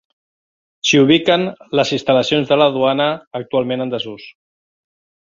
S'hi ubiquen les instal·lacions de la duana, actualment en desús.